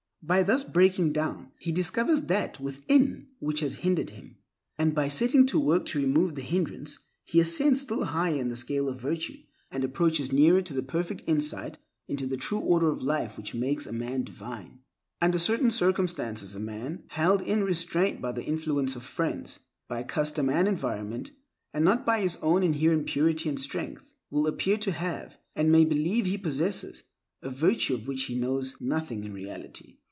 By thus breaking down, he discovers that within which has hindered him. And by setting to work to remove the hindrance, he ascends still higher in the scale of virtue, and approaches nearer to the perfect insight into the true order of life which makes a man divine. Under certain circumstances a man, held in restraint by the influence of friends, by custom and environment, and not by his own inherent purity and strength, will appear to have, and may believe he possesses, a virtue of which he knows nothing in reality.